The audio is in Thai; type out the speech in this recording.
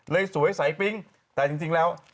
สวยใสปิ๊งแต่จริงแล้ว